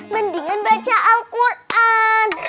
mendingan baca al quran